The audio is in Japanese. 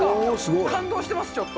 感動してます、ちょっと。